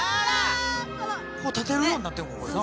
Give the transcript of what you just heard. こう立てるようになってんのこれな。